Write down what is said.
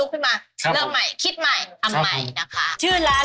มีเรี่ยงก็ลุกขึ้นมา